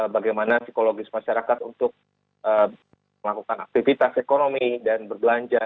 bagaimana psikologis masyarakat untuk melakukan aktivitas ekonomi dan berbelanja